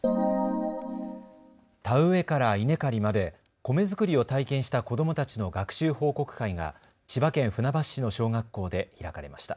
田植えから稲刈りまで米作りを体験した子どもたちの学習報告会が千葉県船橋市の小学校で開かれました。